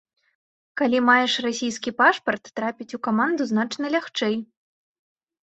Калі маеш расійскі пашпарт, трапіць у каманду значна лягчэй.